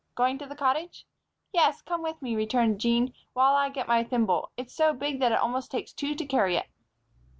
Going to the Cottage?" "Yes, come with me," returned Jean, "while I get my thimble. It's so big that it almost takes two to carry it."